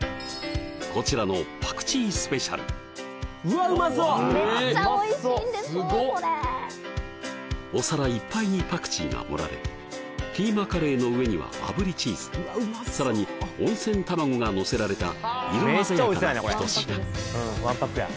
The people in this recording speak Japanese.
そんな高橋さんがこちらのお皿いっぱいにパクチーが盛られキーマカレーの上にはあぶりチーズさらに温泉卵がのせられた色鮮やかなひと品